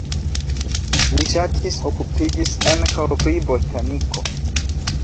Li ŝatis okupiĝis ankaŭ pri botaniko.